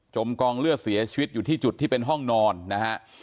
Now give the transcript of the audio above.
กองเลือดเสียชีวิตอยู่ที่จุดที่เป็นห้องนอนนะฮะ